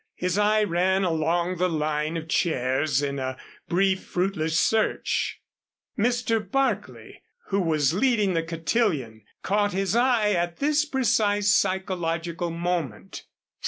His eye ran along the line of chairs in a brief fruitless search. Mr. Barclay, who was leading the cotillion, caught his eye at this precise psychological moment.